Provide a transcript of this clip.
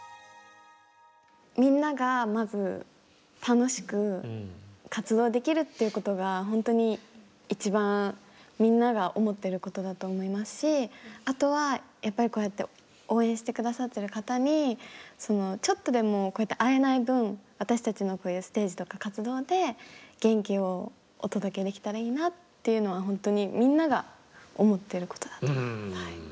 みんながまず楽しく活動できるっていうことがほんとに一番みんなが思ってることだと思いますしあとはやっぱりこうやって応援して下さってる方にちょっとでもこうやって会えない分私たちのこういうステージとか活動で元気をお届けできたらいいなっていうのはほんとにみんなが思ってることだと。